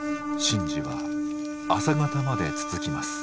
神事は朝方まで続きます。